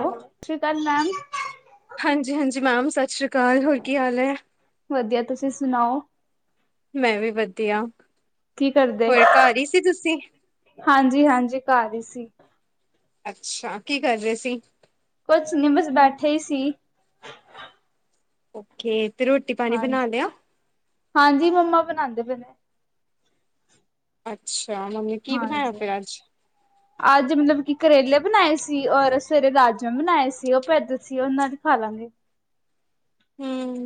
ਸਤਿ ਸ਼੍ਰੀ ਅਕਾਲ ਮੈਮ ਹਾਂਜੀ -ਹਾਂਜੀ, ਮੈਮ ਸਤਿ ਸ੍ਰੀ ਅਕਾਲ ਹੋਰ ਕੀ ਹਾਲ ਹੈ? ਵਧੀਆ, ਤੁਸੀਂ ਸੁਣਾਉ? ਮੈਂ, ਵੀ ਵਧੀਆ। ਕੀ ਕਰਦੇ, ਹੋਰ ਘਰ ਹੀ ਸੀ ਤੁਸੀਂ ਹਾਂਜੀ -ਹਾਂਜੀ, ਘਰ ਹੀ ਸੀ। ਅੱਛਾ, ਕੀ ਕਰ ਰਹੇ ਸੀ? ਕੁਛ ਨਹੀਂ, ਬਸ ਬੈਠੇ ਹੀ ਸੀ। ਓਕੇ, ਤੇ ਰੋਟੀ- ਪਾਣੀ ਬਣਾ ਹਾਂਜੀ ਲਿਆ? ਹਾਂਜੀ, ਮੰਮਾ ਬਣਾਉਂਦੇ ਪਏ ਨੇ। ਅੱਛਾ, ਮੰਮੀ ਕੀ ਬਣਾਇਆ ਹਾਂਜੀ। ਫਿਰ [unintelligible] ਅੱਜ ਮਤਲਬ, ਕਿ ਕਰੇਲੇ ਬਣਾਏ ਸੀ ਔਰ ਸਵੇਰੇ ਰਾਜਮਾਂ ਬਣਾਏ ਸੀ, ਉਹ ਪਏ ਦੇ ਸੀ, ਉਹਨਾਂ ਦੀ ਖਾ ਲਾਂਗੇ। ਹਮ।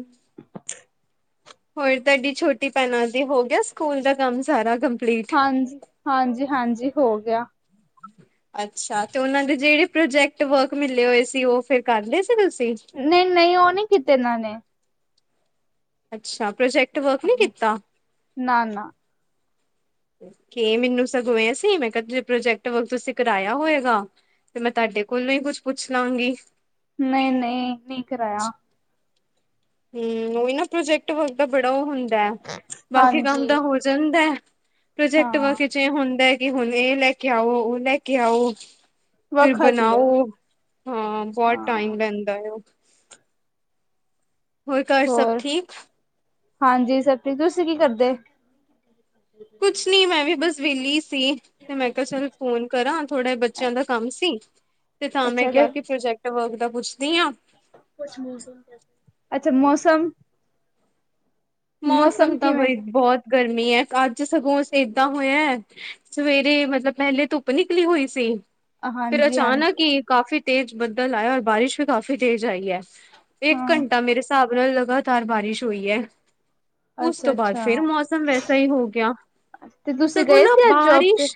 ਹੋਰ, ਤੁਹਾਡੀ ਛੋਟੀ ਭੈਣਾਂ ਦੇ ਹੋ ਗਿਆ, ਸਕੂਲ ਦਾ ਕੰਮ ਸਾਰਾ ਕੰਪਲੀਟ? ਹਾਂਜੀ -ਹਾਂਜੀ, ਹਾਂਜੀ ਹੋ ਗਿਆ। ਅੱਛਾ, ਤੇ ਉਹਨਾਂ ਦੇ ਜਿਹੜੇ ਪ੍ਰੋਜੈਕਟ ਵਰਕ ਮਿਲੇ ਹੋਏ ਸੀ, ਉਹ ਫਿਰ ਲਏ ਸੀ ਤੁਸੀਂ? ਨਹੀਂ- ਨਹੀਂ, ਉਹ ਨਹੀਂ ਕੀਤੇ ਇਹਨਾਂ ਨੇ। ਅੱਛਾ, ਪ੍ਰੋਜੈਕਟ ਵਰਕ ਨਹੀਂ ਕੀਤਾ? ਨਾ -ਨਾ। ਕਿ, ਮੈਨੂੰ ਸਗੋਂ ਏ ਸੀ, ਮੈਂ ਕਿਹਾ ਜ ਪ੍ਰੋਜੈਕਟ ਵਰਕ ਤੁਸੀਂ ਕਰਾਇਆ ਹੋਏਗਾ? ਤੇ, ਮੈਂ ਤੁਹਾਡੇ ਕੋਲੋਂ ਹੀ, ਕੁਛ ਪੁੱਛ ਲਵਾਂਗੀ। ਨਹੀਂ -ਨਹੀਂ, ਨਹੀਂ ਕਰਾਇਆ। ਹਮ, ਉਹੀ ਨਾ ਪ੍ਰੋਜੈਕਟ ਵਰਕ ਦਾ ਬੜਾ ਉਹ ਹੁੰਦਾ, ਬਾਕੀ ਕੰਮ ਹਾਂਜੀ ਤਾਂ ਹੋ ਜਾਂਦਾ, ਪ੍ਰੋਜੈਕਟ ਹਾਂ ਵਰਕ ਚ ਏ ਹੁੰਦਾ ਕਿ, ਹੁਣ ਇਹ ਲੈ ਕੇ ਆਓ, ਉਹ ਲੈ ਕੇ ਆਓ, ਫਿਰ ਵਖਤ ਹੀ ਹੈ ਬਣਾਓ। ਹਾਂ, ਬਹੁਤ ਟਾਈਮ ਹਾਂ ਲੈਂਦਾ ਉਹ। ਹੋਰ, ਘਰ ਸਭ ਠੀਕ? ਹਾਂਜੀ, ਸਭ ਠੀਕ, ਤੁਸੀਂ ਕੀ ਕਰਦੇ? ਕੁਛ ਨੀ, ਮੈਂ ਵੀ ਬਸ ਵਿਹਲੀ ਸੀ। ਤੇ ਮੈਂ ਕਿਹਾ, ਚੱਲ ਫੋਨ ਕਰਾਂ ਥੋੜਾ ਬੱਚਿਆਂ ਦਾ ਕੰਮ ਸੀ, ਤੇ ਤਾਂ ਮੈਂ ਅੱਛਾ ਤੇ ਕਿਹਾ ਕਿ ਪ੍ਰੋਜੈਕਟ ਵਰਕ ਦਾ ਪੁੱਛਦੀ ਹਾਂ। ਅੱਛਾ, ਮੌਸਮ। ਮੌਸਮ ਤਾਂ ਬਈ ਬਹੁਤ ਗਰਮੀ ਹੈ, ਅੱਜ ਸਗੋਂ ਏਦਾਂ ਹੋਇਆ। ਸਵੇਰੇ ਮਤਲਬ, ਪਹਿਲੇ ਧੁੱਪ ਨਿਕਲੀ ਹੋਈ ਸੀ। ਫਿਰ ਹਾਂਜੀ ਅਚਾਨਕ ਹਾਂਜੀ ਹੀ, ਕਾਫ਼ੀ ਤੇਜ਼ ਬੱਦਲ ਆਇਆ, ਔਰ ਬਾਰਿਸ਼ ਵੀ ਕਾਫ਼ੀ ਤੇਜ਼ ਆਈ ਹੈ। ਇੱਕ ਹਾਂ ਘੰਟਾ, ਮੇਰੇ ਹਿਸਾਬ ਨਾਲ ਲਗਾਤਾਰ ਬਾਰਿਸ਼ ਹੋਈ ਹੈ। ਉਸ ਅੱਛਾ ਤੋਂ ਬਾਅਦ, ਫੇਰ ਅੱਛਾ ਮੌਸਮ ਵੈਸਾ ਹੀ ਹੋ ਗਿਆ, ਤੇ ਤੁਸੀਂ ਸਗੋਂ ਗਏ ਨਾ ਸੀ ਅੱਜ ਜੋਬ ਬਾਰਿਸ਼ ਤੇ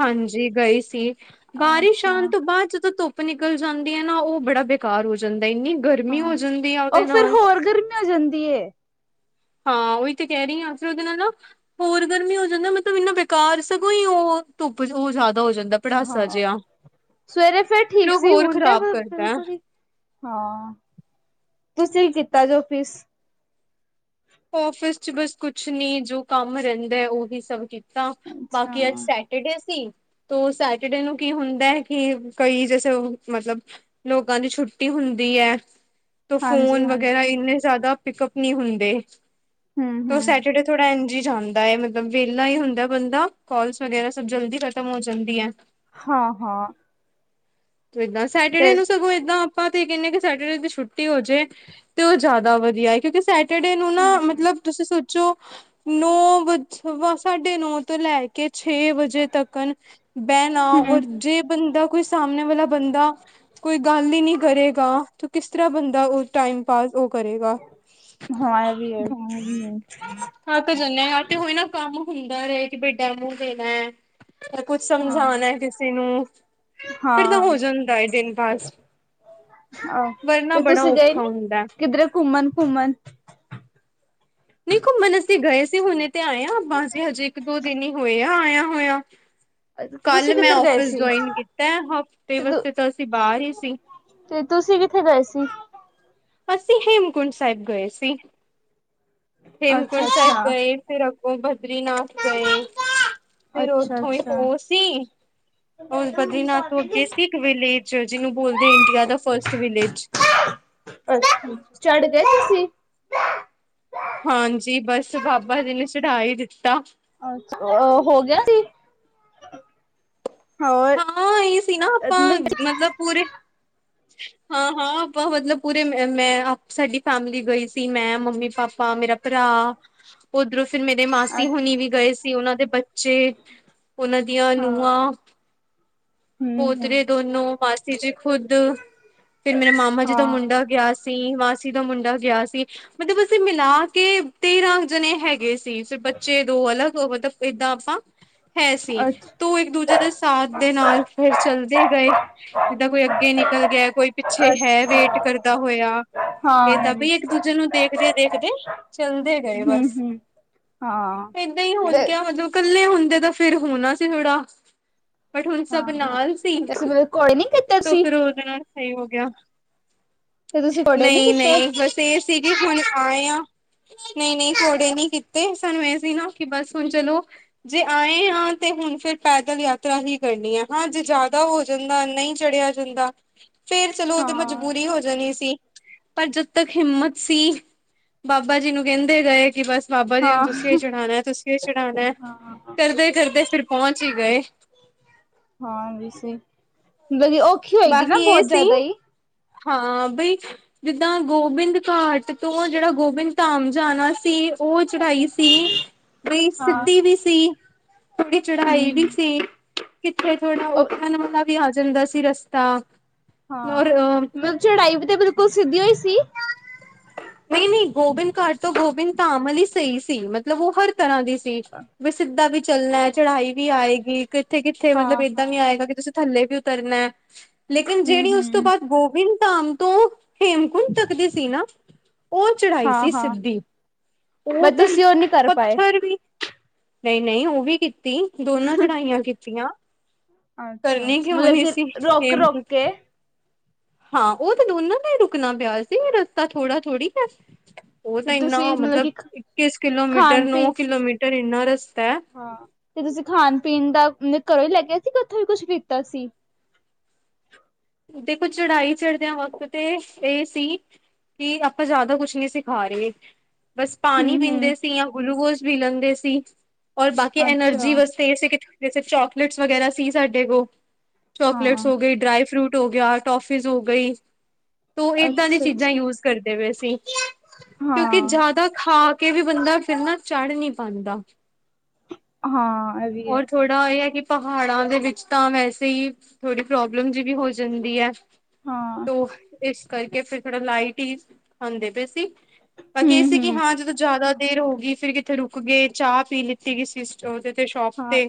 ਹਾਂਜੀ, ਗਈ ਸੀ ਬਾਰਿਸ਼ ਅੱਛਾ ਆਉਣ ਤੋਂ ਬਾਅਦ ਜਦੋਂ ਧੁੱਪ ਨਿਕਲ ਜਾਂਦੀ, ਆ ਨਾ ਉਹ ਬੜਾ ਬੇਕਾਰ ਹੋ ਜਾਂਦਾ ਇੰਨੀ ਗਰਮੀ ਹਾਂ, ਹੋ ਜਾਂਦੀ ਆ ਉਹਦੇ ਉਹ ਫੇਰ ਨਾਲ ਹੋਰ ਗਰਮੀ ਹੋ ਜਾਂਦੀ ਏ। ਹਾਂ, ਉਹੀ ਤੇ ਕਹਿ ਰਹੀ ਆ ਫਿਰ ਉਹਦੇ ਨਾਲ ਨਾ ਹੋਰ ਗਰਮੀ ਹੋ ਜਾਂਦੀ, ਮਤਲਬ ਇੰਨਾ ਬੇਕਾਰ ਸਗੋਂ ਹੀ ਉਹ ਧੁੱਪ ਉਹ ਜਿਆਦਾ ਹੋ ਜਾਂਦਾ। ਪੜਾਸਾ ਹਾਂ, ਜਿਹਾ। ਸਵੇਰੇ ਫੇਰ ਫਿਰ ਠੀਕ ਉਹ ਸੀ, ਹੋਰ ਹੁਣ ਤੇ ਖ਼ਰਾਬ ਫੇਰ ਕਰਦਾ ਹੈ। ਬਿਲਕੁਲ ਹੀ ਹਾਂ, ਤੁਸੀਂ ਕੀਤਾ ਅੱਜ ਆਫੀਸ? ਔਫਿਸ ਚ ਬਸ ਕੁਛ ਨੀ, ਜੋ ਕੰਮ ਰਹਿੰਦਾ, ਉਹੀ ਸਭ ਕੀਤਾ, ਅੱਛਾ ਬਾਕੀ ਅੱਜ ਸੈਟ ਟਰਡੇ ਸੀ ਤੋਂ ਸੈਟਰਡੇ ਨੂੰ ਕੀ ਹੁੰਦਾ ਕਿ ਕਈ ਜੈਸੇ ਮਤਲਬ ਲੋਕਾਂ ਨੂੰ ਛੁੱਟੀ ਹੁੰਦੀ ਹੈ। ਹਾਂਜੀ ਫੋਨ ਹਾਂਜੀ ਵਗੈਰਾ ਇੰਨੇ ਜੈਦਾ ਪਿਕਅਪ ਨੀਂ ਹੁੰਦੇ। ਹੂੰ ਤੋਂ ਹੂੰ ਸੈਟਰਡੇ ਥੋੜਾ ਇੰਜ ਹੀ ਜਾਂਦਾ ਏ ਮਤਲਬ ਵੇਲਾ ਹੀ ਹੁੰਦਾ ਬੰਦਾ ਕੋਲ ਸੁਣਿਆ ਸਬ ਜਲਦੀ ਖ਼ਤਮ ਹੋ ਜਾਂਦੀ ਹੈ। ਹਾਂ, ਹਾਂ। ਤੂੰ ਇਦਾਂ ਸੈਟਰਡੇ ਤੇ ਨੂੰ ਸਗੋਂ ਇਦਾਂ ਅਪਾਂ ਤੇ ਇਹ ਕਹਿੰਦੇ ਆਂ ਕਿ ਸੈਟਰਡੇ ਦੀ ਛੁੱਟੀ ਹੋ ਜੇ ਤੇ ਓਹ ਜੈਦਾ ਵਧੀਆ ਏ ਕਿਉਂਕਿ ਸੈਟਰਡੇ ਨੂੰ ਨਾ ਹੂੰ ਮਤਲਬ ਤੁਸੀਂ ਸੋਚੋ ਨੌ ਵਜ ਵਾ ਸਾਢੇ ਨੌ ਤੋਂ ਲੈ ਕੇ ਛੇ ਵਜੇ ਤੱਕਣ ਬੈਣਾ ਔਰ ਹੂੰ ਜੇ ਬੰਦਾ ਕੋਈ ਸਾਹਮਣੇ ਵਾਲਾ ਬੰਦਾ ਕੋਈ ਗੱਲ ਹੀ ਨੀ ਕਰੇਗਾ ਤੇ ਕਿਸ ਤਰ੍ਹਾਂ ਬੰਦਾ ਓਹ ਟਾਈਮ ਪਾਸ ਓਹ ਕਰੇਗਾ। ਹਾਂ ਇਹ ਵੀ ਹੈ ਹਾਂ ਐਵੀ ਏ। ਥੱਕ ਜਾਂਣੇ ਆਂ ਤੇ ਹੋਈ ਨਾ ਕੰਮ ਹੁੰਦਾ ਰਏ ਕਿ ਬਈ ਟਾਈਮ ਦੇਣਾ। ਤੇ ਕੁੱਛ ਹਾਂ ਸਮਝਾਣਾ ਕਿਸੀ ਨੂੰ। ਫਿਰ ਤਾਂ ਹੋ ਹਾਂ ਜਾਂਦਾ ਏ ਦਿਨ ਪਾਸ। ਵਰਨਾ ਬੜਾ ਔਖਾ ਹੁੰਦਾ। ਕਿਧਰੇ ਘੁੰਮਣ-ਘੁੰਮਣ ਦੇਖੋ [unintelligible] ਅਸੀਂ ਗਏ ਸੀ ਹੁਣੇ ਤੇ ਆਏ ਆਂ ਬਾਸ ਹਜੇ ਇੱਕ ਦੋ ਦਿਨ ਹੀ ਹੋਏ ਆਇਆ ਆਇਆ। ਕੱਲ ਤੁਸੀਂ ਮੈਂ ਕਿੱਧਰ ਗਏ ਔਫਿਸ ਸੀ ਜੌਇਨ ਤੇ ਕੀਤੈ ਹਫ਼ਤੇ ਤੁ ਵਸਤੇ ਤਾਂ ਅਸੀਂ ਬਾਰ ਹੀ ਸੀ। ਤੇ ਤੁਸੀਂ ਕਿੱਥੇ ਗਏ ਸੀ? ਅਸੀਂ ਹੇਮਕੁੰਟ ਸਾਹਿਬ ਗਏ ਸੀ ਅੱਛਾ ਹੇਮਕੁੰਟ ਸਾਹਿਬ ਅੱਛਾ ਗਏ। ਫਿਰ ਆਪਾਂ ਬਦਰੀਨਾਥ ਗਏ ਫਿਰ ਅੱਛਾ ਓਥੋਂ ਹੀ ਹੋ ਸੀ। ਬਦਰੀਨਾਥ ਤੋਂ ਅੱਗੇ ਸਿੱਖ ਵਿਲੇਜ ਜਿਨੂੰ ਬੋਲਦੇ ਇੰਡੀਆ ਦਾ ਫਸਟ ਵਿਲੇਜ। ਅੱਛਾ ਚੜਦੇ ਸੀ? ਹਾਂਜੀ, ਬਸ ਬਾਬਾ ਜੀ ਨੇ ਚੜਾ ਈ ਦਿੱਤਾ। ਅੱਛਾ ਹੋ ਗਿਆ ਸੀ? ਹੋਰ ਹਾਂ, ਇਹ ਸੀ ਨਾ ਆਪਾਂ ਅੱਛਾ ਮਤਲਬ ਪੂਰੇ ਹਾਂ ਹਾਂ ਆਪਾਂ ਮਤਲਬ ਪੂਰੇ ਮੈਂ ਅਪ ਸਾਡੀ ਫੈਮਿਲੀ ਗਈ ਸੀ ਮੈਂ ਮੰਮੀ- ਪਾਪਾ ਪਾ ਮੇਰਾ ਭਰਾ ਓਧਰੋਂ ਫਿਰ ਮੇਰੇ ਮਾਸੀ ਹੁਣੀ ਵੀ ਗਏ ਸੀ ਔਨਾਂ ਦੇ ਬੱਚੇ। ਔਨਾਂ ਦੀਆਂ ਹਾਂ ਨੂਹਾਂ ਹਮ ਪੋਤਰੇ ਹਮ ਦੋਨੋ ਮਾਸੀ ਜੀ ਖੁਦ ਫਿਰ ਮੇਰੇ ਮਾਮਾ ਜੀ ਦਾ ਹਾਂ ਮੁੰਡਾ ਗਿਆ ਸੀ। ਸੀ ਮਾਸੀ ਦਾ ਮੁੰਡਾ ਗਿਆ ਸੀ ਮਤਲਬ ਅਸੀਂ ਮਿਲਾ ਕੇ ਤੇਰਾਂ ਜਣੇ ਹੈਗੇ ਸੀ ਸੀ ਫਿਰ ਬੱਚੇ ਦੋ ਅਲੱਗ ਮਤਲਬ ਏਦਾਂ ਆਪਾਂ ਹੈ ਸੀ, ਤੇ ਅੱਛਾ ਉਹ ਇੱਕ ਦੂਜੇ ਦੇ ਸਾਥ ਦੇ ਨਾਲ ਫਿਰ ਚਲਦੇ ਰਹੇ। ਜਿੱਦਾਂ ਕੋਈ ਅੱਗੇ ਨਿਕਲ ਗਿਆ ਕੋਈ ਪਿੱਛੇ ਹੈ ਵੇਟ ਅੱਛਾ ਕਰਦਾ ਹੋਇਆ। ਹਾਂ ਏਦਾ ਇਹ ਵੀ ਬਈ ਇੱਕ-ਦੂਜੇ ਨੂੰ ਦੇਖਦੇ-ਦੇਖਦੇ ਚੱਲਦੇ ਗਏ ਹਮ ਬਸ ਹਮ ਹਾਂ ਏਦਾਂ ਹੀ ਹੋਜ ਤੇ ਗਿਆ ਮਤਲਬ ਕੱਲੇ ਹੁੰਦੇ ਤਾਂ ਫਿਰ ਹੋਣਾ ਸੀ ਥੋੜਾ। ਬਟ ਹੁਣ ਹਾਂ ਸਭ ਹਾਂ ਨਾਲ ਸੀ ਤੇ ਅਸੀਂ ਮਤਲਬ ਘੋੜੇ ਨੀ ਕੀਤੇ ਤੋ ਤੁਸੀਂ ਫਿਰ ਉਹ ਉਹਦੇ ਨਾਲ ਸੇਫ ਹੋ ਗਿਆ। ਤੇ ਤੁਸੀਂ ਘੋੜੇ ਨੀ ਨਹੀਂ ਕੀਤੇ ਨਹੀਂ, ਬਸ ਤੇ ਸੀਗੀ ਹੁਣ ਆਏ ਆ। ਨਹੀਂ ਨਹੀਂ, ਘੋੜੇ ਨੀ ਕੀਤੇ ਸਾਨੂੰ ਐਹ ਸੀ ਨਾ ਕਿ ਬਸ ਹੁਣ ਚਲੋ। ਜੇ ਆਏ ਹਾਂ ਤੇ ਹੁਣ ਫਿਰ ਪੈਦਲ ਯਾ ਤਰ੍ਹਾਂ ਹੀ ਕਰਨੀ ਹੈ। ਹਾਂ, ਜੇ ਜੈਦਾ ਹੋ ਜਾਂਦਾ ਨਹੀਂ ਚੜ੍ਹਿਆ ਜਾਂਦਾ ਤ ਫਿਰ ਚਲੋ ਓਹ ਤੇ ਹਾਂ ਮਜਬੂਰੀ ਹੋ ਜਣੀ ਸੀ ਪਰ ਜਦ ਤੱਕ ਹਿੰਮਤ ਸੀ ਬਾਬਾ ਜੀ ਨੂੰ ਕੈੰਦੇ ਗਏ ਕਿ ਬਸ ਬਾਬਾ ਜੀ ਨੂੰ ਹਾਂ ਤੁਸੀਂ ਇਹ ਚੜਾਉਣਾ ਤੁਸੀਂ ਇਹ ਚੜ੍ਹਾਉਣਾ ਹਾਂ ਕਰਦੇ ਕਰਦੇ ਫਿਰ ਪਹੁੰਚ ਹੀ ਗਏ। ਹਾਂ ਵੇਸੇ ਔਖੀ ਹੋਏਗੀ ਨਾ ਬਾਕੀ ਇਹ ਬਹੁਤ ਸੀ ਜ਼ਿਆਦਾ ਹੀ ਹਾਂ ਬਈ ਜਿੱਦਾਂ ਗੋਬਿੰਦ ਘਾਟ ਤੋਂ ਜਿਹੜਾ ਗੋਬਿੰਦ ਧਾਮ ਜਾਣਾ ਸੀ ਉਹ ਚੜਾਈ ਸੀ ਬਈ ਹਾਂ ਸਿੱਧੀ ਵੀ ਸੀ ਥੋੜੀ ਚੜਾਈ ਵੀ ਹਮ ਸੀ। ਕਿੱਥੇ ਥੋੜਾ ਉਹ ਉਤਰਣ ਵਾਲਾ ਵੀ ਆ ਜਾਂਦਾ ਸੀ ਰਸਤਾ ਹਾਂ ਔਰ ਮਤਲਬ ਚੜਾਈ ਵੀ ਤੇ ਬਿਲਕੁਲ ਸਿੱਧੀ ਓਈ ਸੀ। ਨਹੀਂ, ਨਹੀਂ ਗੋਬਿੰਦ ਘਾਟ ਤੋਂ ਗੋਬਿੰਦ ਧਾਮ ਵਾਲੀ ਸਹੀ ਸੀ ਮਤਲਬ ਉਹ ਹਰ ਤਰ੍ਹਾਂ ਦੀ ਵੀ ਸਿੱਧਾ ਵੀ ਚੱਲਣਾ ਹੈ ਚੜ੍ਹਾਈ ਵੀ ਆਏਗੀ ਕਿੱਥੇ, ਕਿੱਥੇ ਹਾਂ ਮਤਲਬ ਏਦਾਂ ਹਾਂ ਵੀ ਆਏਗਾ ਕਿ ਤੁਸੀਂ ਥੱਲੇ ਵੀ ਉਤਰਨਾ ਹੈ ਲੇਕਿਨ ਜਿਹੜੀ ਹਮ ਉਸ ਤੋਂ ਹਮ ਬਾਅਦ ਗੋਬਿੰਦ ਧਾਮ ਤੋਂ ਹੇਮ [unintelligible] ਤੱਕਦੀ ਸੀ ਨਾ ਉਹ ਚੜਾਈ ਹਾਂ ਸੀ ਹਾਂ ਸਿੱਧੀ ਉਹ ਬਸ ਤੇ ਤੁਸੀਂ ਉਹ ਨਹੀਂ ਕਰ ਪਾਏ ਪੱਥਰ ਵੀ ਨਹੀਂ, ਨਹੀਂ ਉਹ ਵੀ ਕੀਤੀ ਦੋਨਾਂ ਚੜ੍ਹਾਈਆਂ ਕੀਤੀਆਂ। ਅੱਛਾ ਕਰਨੀ ਅੱਛਾ ਕਿਔ ਮਤਲਬ ਨਹੀਂ ਕਿ ਸੀ ਰੁਕ ਹੇਮ ਰੁਕ ਕੇ ਹਾਂ ਉਹ ਤੇ ਦੋਨਾਂ ਦਾ ਹੀ ਰੁਕਣਾ ਪਿਆ ਸੀ ਰਸਤਾ ਥੋੜਾ ਥੋੜ੍ਹੀ ਹੈ। ਉਹ ਤਾਂ ਤੇ ਇੰਨਾ ਤੁਸੀਂ ਮਤਲਬ ਕਿ ਇੱਕੀਸ ਕਿਲੋਮੀਟਰ ਖਾਣ ਪੀਣ ਨੌ ਕਿਲੋਮੀਟਰ ਇੰਨਾ ਰਸਤਾ ਹੈ। ਹਾਂ ਤੇ ਤੁਸੀਂ ਖਾਣ ਪੀਣ ਦਾ ਘਰੋਂ ਹੀ ਲੈ ਗਿਆ ਸੀ ਉੱਥੋਂ ਵੀ ਕੁਛ ਲੀਤਾ ਸੀ। ਦੇਖੋ ਚੜਾਈ ਚੜ੍ਹਦਿਆਂ ਵਕਤ ਤੇ ਇਹ ਸੀ। ਕਿ ਆਪਾਂ ਜ਼ਿਆਦਾ ਕੁਛ ਨੀ ਸੀ ਖਾ ਰੇ। ਬਸ ਪਾਣੀ ਹੂੰ-ਹੂੰ, ਪੀਂਦੇ ਸੀ ਜਾਂ ਗਲੂਕੋਜ ਪੀ ਲੈਂਦੇ ਸੀ ਔਰ ਬਾਕੀ ਅੱਛਾ ਐਨਰਜੀ ਬਸ ਤੇ ਕਿਥੇ ਚੋਕਲੇਟਸ ਵਗੈਰਾ ਸੀ ਸਾਡੇ ਕੋਲ ਚੋਕਲੇਟਸ ਹਾਂ, ਹੋ ਗਈ ਡਰਾਈਵ ਫਰੂਟ ਹੋਗਿਆ ਟੋਫੀਸ ਹੋ ਗਈ ਤ ਏਦਾਂ ਦੀ ਚੀਜ਼ਾਂ ਈ ਅੱਛਾ-ਅੱਛਾ। ਯੂਜ ਕਰਦੇ ਪਏ ਸੀ। ਕਿਉਂਕਿ ਹਾਂ, ਜ਼ਿਆਦਾ ਖਾ ਕੇ ਵੀ ਬੰਦਾ ਫਿਰ ਨਾ ਚੜ੍ਹ ਨਹੀਂ ਪਾਉਂਦਾ। ਹਾਂ ਇਹ ਵੀ ਐ। ਦਾ ਇਹ ਹੈ ਕਿ ਪਹਾੜਾਂ ਦੇ ਵਿੱਚ ਤਾਂ ਵੈਸੇ ਹੀ ਥੋੜੀ ਪ੍ਰੋਬਲਮ ਵੀ ਹੋ ਜਾਂਦੀ ਹੈ। ਹਾਂ, ਤ ਇਸ ਕਰਕੇ ਫਿਰ ਥੋੜਾ ਲਾਈਟ ਹੀ ਖਾਂਦੇ ਪਏ ਸੀ। ਪਰ ਕੀ ਸੀ ਕਿ ਹੂੰ-ਹੂੰ, ਹਾਂ ਜਦੋਂ ਜ਼ਿਆਦਾ ਦੇਰ ਹੋ ਗਈ ਫਿਰ ਕਿੱਥੇ ਰੁਕ ਗਏ ਚਾਹ ਪੀ ਲ ਤੇਅਸੀ ਸਟੋਰ ਤੇ ਸ਼ੋਪ ਹਾਂ। ਤੇ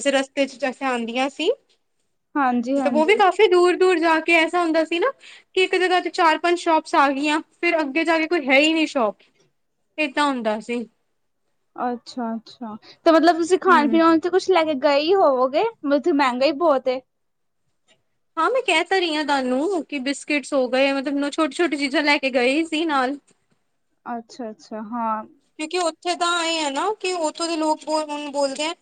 ਜੇ ਰਸਤੇ ਚ ਜੈਸੇ ਆਂਦੀਆਂ ਸੀ। ਉਹ ਵੀ ਹਾਂਜੀ-ਹਾਂਜੀ, ਕਾਫ਼ੀ ਦੂਰ, ਦੂਰ ਜਾ ਕੇ ਐਸਾ ਹੁੰਦਾ ਸੀ ਨਾ ਕਿ ਇੱਕ ਜਗ੍ਹਾ ਤੇ ਚਾਰ ਪੰਜ ਸ਼ੋਪਸ ਆ ਗਈਆਂ ਫਿਰ ਅੱਗੇ ਜਾ ਕੇ ਕੋਈ ਹੈ ਹੀ ਨਹੀਂ ਸ਼ੋਪ ਇਹ ਤਾਂ ਹੁੰਦਾ ਸੀ। ਅੱਛਾ, ਅੱਛਾ ਤੇ ਮਤਲਬ ਤੁਸੀਂ ਖਾਣ ਹੂੰ ਪੀਣ ਥ ਕੁਛ ਲੈ ਕੇ ਗਏ ਹੀ ਹੋਵੋਗੇ ਮਤਲਬ ਉੱਥੇ ਮਹਿੰਗਾ ਹੀ ਬਹੁਤ ਏ ਹਾਂ ਮੈਂ ਕਹਿ ਤ ਰਹੀ ਹਾਂ ਤੁਹਾਨੂੰ ਕਿ ਬਿਸਕਿਟਸ ਹੋ ਗਏ ਮਤਲਬ ਛੋਟੀ, ਛੋਟੀ ਚੀਜ਼ਾਂ ਲੈ ਕੇ ਗਏ ਸੀ ਨਾਲ ਅੱਛਾ, ਅੱਛਾ ਹਾਂ ਕਿਉਂਕਿ ਉੱਥੇ ਤਾਂ ਇਹ ਹੈ ਨਾ ਕਿ ਉੱਥੋਂ ਦੇ ਲੋਕ ਬ ਹੁਣ ਬੋਲਦੇ ਹੈ।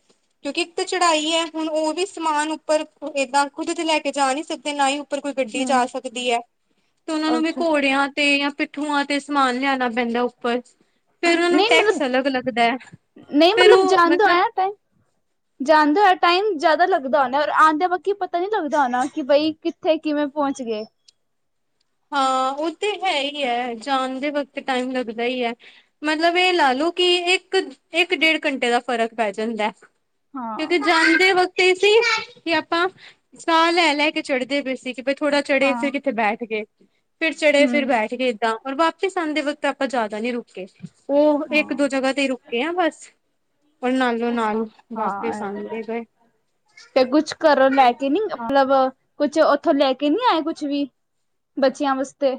ਕਿਉਂਕਿ ਇੱਕ ਤਾਂ ਚੜ੍ਹਾਈ ਹੈ ਹੁਣ ਉਹ ਵੀ ਸਮਾਨ ਉੱਪਰ ਏਦਾਂ ਖੁਦ ਤੇ ਲੈ ਕੇ ਜਾ ਨਹੀਂ ਸਕਦੇ ਨਾ ਹੀ ਉੱਪਰ ਕੋਈ ਗੱਡੀ ਜਾ ਹੂੰ, ਸਕਦੀ ਹੈ ਤੇ ਉਹਨਾ ਨੂੰ ਵੀ ਅੱਛਾ ਘੋੜਿਆਂ ਤੇ ਜਾਂ ਪਿੱਠੂਆਂ ਤੇ ਸਮਾਨ ਲਿਆਣਾ ਪੈਂਦਾ ਉੱਪਰ ਫਿਰ ਉਹਨਾਂ ਨੂੰ ਨਹੀਂ ਮਤਲਬ, ਟੈਕਸ ਅਲੱਗ ਲੱਗਦਾ ਹੈ ਨਹੀਂ ਫਿਰ ਮਤਲਬ ਉਹ ਜਾਣਦਾ ਮਤਲਬ ਆਇਆ ਟਾਈਮ ਜਾਂਦੇ ਹੋ ਟਾਈਮ ਜਿਆਦਾ ਲੱਗਦਾ ਹੋਣਾ ਔਰ ਆਉਦਿਆਂ ਬਾਕੀ ਪਤਾ ਨੀ ਲੱਗਦਾ ਹੋਣਾ ਕਿ ਬਈ ਇੱਥੇ ਕਿਵੇਂ ਪਹੁੰਚ ਗਏ। ਹਾਂ ਉਹ ਤੇ ਹੈ ਹੀ ਹੈ ਜਾਣ ਦੇ ਵਕਤ ਟਾਈਮ ਲੱਗਦਾ ਈ ਐ। ਮਤਲਬ ਇਹ ਲਾਲੋ ਕਿ ਇੱਕ, ਇੱਕ ਡੇਢ ਘੰਟੇ ਦਾ ਫ਼ਰਕ ਪੈ ਜਾਂਦਾ। ਹਾਂ, ਕਿਉਂਕਿ ਜਾਂਦੇ ਵਕਤ ਸੀ ਕਿ ਆਪਾਂ ਸਾਹ ਲੈ, ਲੈ ਕੇ ਚੜ੍ਹਦੇ ਪਏ ਸੀ ਕਿ ਬ ਥੋੜਾ ਚੜ੍ਹੇ ਫਿਰ ਹਾਂ, ਕਿੱਥੇ ਬੈਠ ਗਏ ਫਿਰ ਚੜ੍ਹੇ ਫਿਰ ਹੂੰ, ਬੈਠ ਗਏ ਇੱਦਾਂ ਪਰ ਵਾਪ ਵਾਪੀਸ ਆਦੇ ਵਕਤ ਆਪਾਂ ਜ਼ਿਆਦਾ ਨੀ ਰੁਕੇ ਉਹ ਇੱਕ ਹਾਂ। ਦੋ ਜਗ੍ਹਾ ਤੇ ਰੁਕੇ ਹ ਬਸ ਪਰ ਨਾਲੋਂ ਨਾਲ ਹਾਂ ਵਾਪਿਸ ਇਹ ਤੇ ਹੈ ਆਣਦੇ ਗਏ। ਤੇ ਕੁਛ ਘਰੋਂ ਲੈ ਕੇ ਨੀ ਮਤਲਬ ਕੁਛ ਉੱਥੋਂ ਲੈ ਕੇ ਨੀ ਆਏ ਕੁਛ ਵੀ ਬੱਚਿਆਂ ਵਾਸਤੇ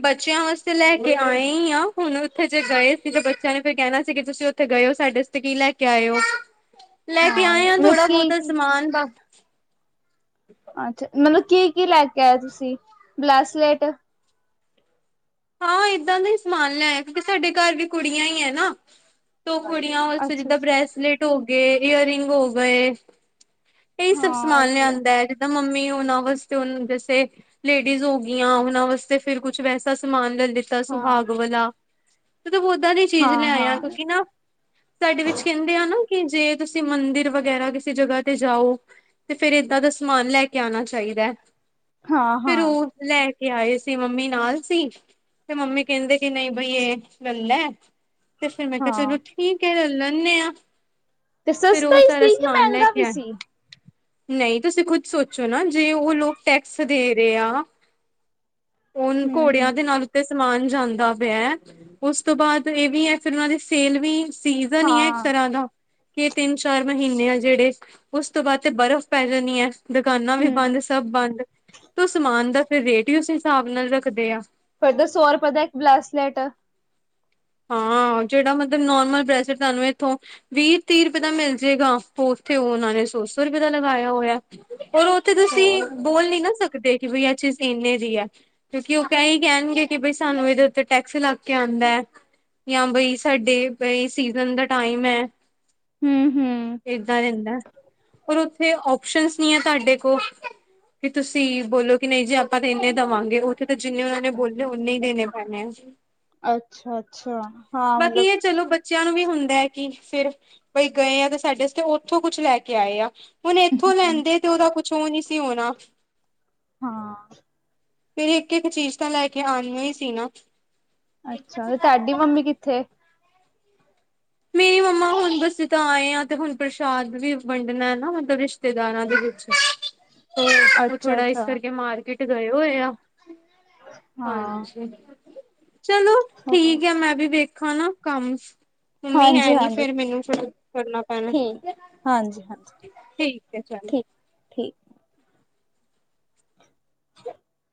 ਬੱਚਿਆਂ ਵਾਸਤੇ ਲੈ ਕੇ ਆਉਣੇ ਈ ਆ ਹੁਣ ਉੱਥੇ ਜੇ ਗਏ ਸੀ ਤੇ ਬੱਚਿਆਂ ਨੇ ਫਿਰ ਕਹਿਣਾ ਸੀ ਕਿ ਤੁਸੀਂ ਉੱਥੇ ਗਏ ਓ ਸਾਡੇ ਤੇ ਕੀ ਲੈ ਕੇ ਆਏ ਓ, ਲੈ ਕੇ ਹਾਂ ਆਏ ਇਹ ਆ ਮਤਲਬ ਕੀ ਥੋੜਾ-ਬਹੁਤਾ ਕੀ ਸਮਾਨ ਅੱਛਾ ਮਤਲਬ ਕੀ-ਕੀ ਲੈ ਕੇ ਆਏ ਤੁਸੀਂ? ਬਲੈਸਲੇਟ। ਹਾਂ ਏਦਾਂ ਦਾਈ ਸਮਾਨ ਲਿਆਏਂ ਆ ਕਿਉਂਕਿ ਸਾਡੇ ਘਰ ਵੀ ਕੁੜੀਆਂ ਈ ਐ ਨਾਂ। ਦੋ ਕੁੜੀਆਂ ਵਾਸਤੇ ਅੱਛਾ ਜਿੱਦਾਂ ਅੱਛਾ ਬ੍ਰੇਸਲੇਟ ਹੋ ਗਏ, ਈਅਰ ਰਿੰਗ ਹੋ ਗਏ ਇਹੀ ਸਭ ਹਾਂ ਇਹ ਸਮਾਨ ਵੀ ਹੈ ਲਿਆਂਦਾ ਐ। ਮੰਮੀ ਉਹਨਾਂ ਵਾਸਤੇ ਓਨ ਜੈਸੇ, ਲੇਡੀਜ਼ ਹੋ ਗਈਆਂ ਉਹਨਾਂ ਵਾਸਤੇ ਫਿਰ ਕੁਛ ਵੈਸਾ ਸਮਾਨ ਲੈ ਲਿਤਾ ਹਾਂ ਸੁਹਾਗ ਵਾਲਾ, ਮਤਲਬ ਓਦਾਂ ਦੀ ਚੀਜ਼ ਹਾਂ ਲਿਆਏ ਆਂ ਹਾਂ ਕਿਉਂਕਿ ਨਾਂ ਸਾਡੇ ਵਿੱਚ ਕਹਿੰਦੇ ਆ ਨਾਂ ਕਿ ਜੇ ਤੁਸੀਂ ਮੰਦਿਰ ਵਗੈਰਾ ਕਿਸੇ ਜਗ੍ਹਾ ਤੇ ਜਾਓ ਤੇ ਫੇਰ ਏਦਾਂ ਦਾ ਸਮਾਨ ਲੈ ਕੇ ਆਣਾ ਚਾਹੀਦੈ। ਹਾਂ ਫਿਰ ਹਾਂ ਉਹ, ਲੈ ਕੇ ਆਏ ਸੀ ਮੰਮੀ ਨਾਲ ਸੀ। ਤੇ ਮੰਮੀ ਕਹਿੰਦੇ ਕਿ ਨਹੀਂ ਬਈ ਏ, ਗੱਲ ਐ, ਤੇ ਫੇਰ ਮੈਂ ਕਿਹਾ ਚਲੋ ਹਾਂ ਠੀਕ ਠੀਕ ਐ ਲੈ ਲੈਂਨੇਂ ਆਂ, ਤੇ ਫੇਰ ਸਸਤਾ ਉਹ ਹੀ ਸਾਰਾ ਸੀ ਕਿ ਸਮਾਨ ਲੈ ਮਹਿੰਗਾ ਕੇ ਵੀ ਆਏ। ਸੀ ਨਈਂ ਤੁਸੀਂ ਖੁਦ ਸੋਚੋ ਨਾਂ ਜੇ ਉਹ ਲੋਕ ਟੈਕਸ ਦੇ ਰਹੇ ਆ। ਉਹਨ ਹੂੰ ਹੂੰ ਘੋੜਿਆਂ ਦੇ ਨਾਲ ਉਤੇ ਸਮਾਨ ਜਾਂਦਾ ਪਿਆ ਐ, ਉਸ ਤੋਂ ਬਾਅਦ ਇਹ ਵੀ ਐ ਫੇਰ ਉਹਨਾ ਦੀ ਸੇਲ ਵੀ ਸੀਜਨ ਈ ਐ ਇੱਕ ਹਾਂ ਤਰ੍ਹਾਂ ਦਾ। ਕਿ ਤਿੰਨ-ਚਾਰ ਮਹੀਨੇਂ ਆ ਜਿਹੜੇ, ਉਸ ਤੋਂ ਬਾਅਦ ਤੇ ਬਰਫ਼ ਪੈ ਜਾਣੀ ਐ। ਦੁਕਾਨਾਂ ਵੀ ਹੂੰ ਬੰਦ, ਸਭ ਬੰਦ, ਤੋਂ ਸਮਾਨ ਦਾ ਫੇਰ ਰੇਟ ਵੀ ਉਸ ਹਿਸਾਬ ਨਾਲ ਰੱਖਦੇ ਆ। ਫਿਰ ਤਾਂ ਸੌ ਰੁਪਏ ਦਾ ਇੱਕ ਬਲਾਸਲੇਟ। ਹਾਂ, ਜਿਹੜਾ ਮਤਲਬ ਨੋਰਮਲ ਬ੍ਰੈਸਲੇਟ ਤੁਹਾਨੂੰ ਇੱਥੋਂ ਵੀਹ-ਤੀਹ ਰੁਪਏ ਦਾ ਮਿਲ ਜੇਗਾ, ਉੱਥੇ ਉਹਨਾਂ ਨੇਂ ਸੌ-ਸੌ ਰੁਪਏ ਦਾ ਲਗਾਇਆ ਹੋਇਆ। ਹੋਰ ਉੱਥੇ ਤੁਸੀਂ ਹੋਰ ਬੋਲ ਨੀਂ ਨਾਂ ਸਕਦੇ, ਕਿ ਬਈ ਇਹ ਚੀਜ਼ ਇੰਨੇ ਦੀ ਐ। ਕਿਉਂਕਿ ਉਹ ਕਹਿ ਈ ਦੇਣਗੇ ਕਿ ਬਈ ਸਾਨੂੰ ਇਹਦੇ ਉੱਤੇ ਟੈਕਸ ਲੱਗ ਕੇ ਆਂਦਾ। ਜਾਂ ਬਈ ਸਾਡੇ, ਬਈ ਸੀਜਨ ਦਾ ਟਾਈਮ ਐ। ਹੂੰ ਹੂੰ ਏਦਾਂ ਦੇਂਦਾ। ਪਰ ਉੱਥੇ ਓਪਸ਼ਨਸ ਨਹੀਂ ਐ ਤੁਹਾਡੇ ਕੋ ਕਿ ਤੁਸੀਂ ਬੋਲੋ ਕਿ ਨਹੀਂ ਜੇ ਆਪਾਂ ਤਾਂ ਇੰਨੇ ਦੇਵਾਂਗੇ, ਉੱਥੇ ਤਾਂ ਜਿੰਨੇ ਉਹਨਾਂ ਨੇਂ ਬੋਲੇ ਓਨੇ ਈ ਦੇਣੇ ਪੈਣੇ ਆ। ਅੱਛਾ, ਅੱਛਾ, ਹਾਂ ਬਾਕੀ ਮਤਲਬ ਇਹ ਚਲੋ ਬੱਚਿਆਂ ਨੂੰ ਵੀ ਹੁੰਦਾ ਐ ਕਿ ਫ਼ਿਰ, ਬਈ ਗਏ ਆ ਤੇ ਸਾਡੇ ਵਾਸਤੇ ਉੱਥੋਂ ਕੁਛ ਲੈ ਕੇ ਆਏ ਆ। ਹੁਣ ਇਥੋਂ ਲੈਂਦੇ ਤੇ ਉਹਦਾ ਕੁਛ ਓ ਏ ਨਹੀਂ ਸੀ ਹੋਣਾ। ਹਾਂ। ਫੇਰ ਇੱਕ-ਇੱਕ ਚੀਜ਼ ਤਾਂ ਲੈ ਕੇ ਆਉਣੀਆ ਈ ਸੀ ਨਾਂ। ਅੱਛਾ, ਤੁਹਾਡੀ ਮੰਮੀ ਕਿੱਥੇ? ਮੇਰੀ ਮੰਮਾ ਹਾਂ, ਹੁਣ ਬਸੀ ਤਾਂ ਆਏ ਆ ਤੇ ਹੁਣ ਪ੍ਰਸ਼ਾਦ ਵੀ ਵੰਡਣਾ ਏ ਨਾਂ ਮਤਲਬ ਰਿਸ਼ਤੇਦਾਰਾਂ ਦੇ [unintelligible] ਵਿੱਚ। [unintelligible] ਤੇ ਉਹ ਅੱਛਾ ਥੋੜਾ ਇਸ ਅੱਛਾ। ਕਰਕੇ ਮਾਰਕੀਟ ਗਏ ਹੋਏ ਆ। ਹਾਂ। ਹਾਂਜੀ, ਚਲੋ, ਹਾਂ ਠੀਕ ਐ। ਮੈਂ ਵੀ ਵੇਖਾਂ ਨਾਂ, ਕੰਮ। ਮੰਮੀ ਹੈ ਹਾਂਜੀ ਨੀਂ ਹਾਂਜੀ ਫੇਰ ਮੈਨੂੰ ਫੇਰ, ਕਰਨਾ ਪੈਣਾ। ਠੀਕ ਹਾਂਜੀ ਹਾਂਜੀ ਠੀਕ ਐ ਚਲ। ਠੀਕ ਠੀਕ।